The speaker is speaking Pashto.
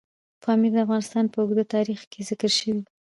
پامیر د افغانستان په اوږده تاریخ کې ذکر شوی دی.